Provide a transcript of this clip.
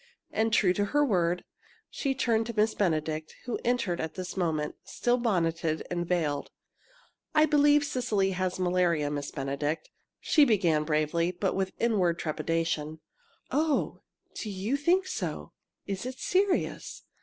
And, true to her word, she turned to Miss Benedict, who entered at this moment, still bonneted and veiled. "I believe Cecily has malaria, Miss Benedict," she began bravely, but with inward trepidation. "Oh, do you think so? Is it serious?"